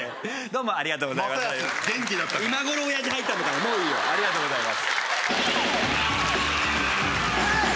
もういいよありがとうございます